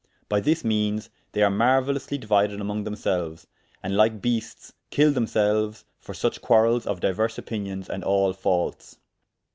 By this meanes are they marueylously diuided among themselues, and lyke beastes kyll themselues for such quarelles of dyuers opinions, and all false.